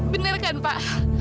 benar kan pak